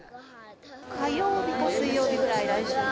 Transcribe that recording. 火曜日か水曜日くらい、来週の。